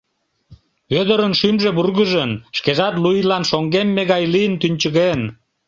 Вӧдырын шӱмжӧ вургыжын, шкежат лу ийлан шоҥгемме гай лийын, тӱнчыген.